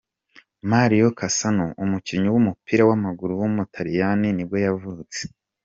Mario Cassano, umukinnyi w’umupira w’amaguru w’umutaliyani nibwo yavutse.